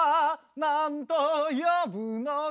「なんと呼ぶのか」